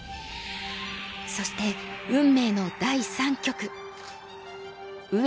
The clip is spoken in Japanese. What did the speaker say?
そして運命の第三局。